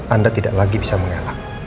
anda tidak lagi bisa mengelak